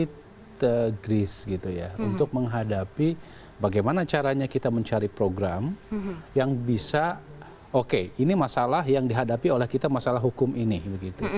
kita gris gitu ya untuk menghadapi bagaimana caranya kita mencari program yang bisa oke ini masalah yang dihadapi oleh kita masalah hukum ini begitu